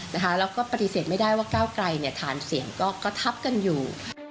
แล้วก็ปฏิเสธไม่ได้ว่าก้าวไกลฐานเสียงก็ทับกันอยู่